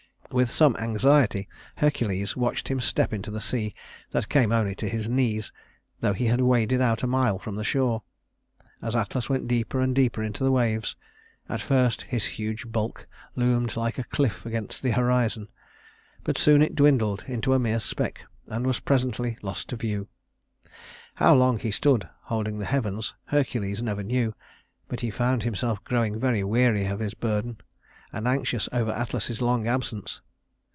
With some anxiety Hercules watched him step into the sea that came only to his knees though he had waded out a mile from the shore. As Atlas went deeper and deeper into the waves, at first his huge bulk loomed like a cliff against the horizon; but soon it dwindled into a mere speck, and was presently lost to view. How long he stood holding the heavens Hercules never knew; but he found himself growing very weary of his burden, and anxious over Atlas's long absence.